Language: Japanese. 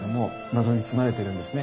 謎に包まれてるんですね。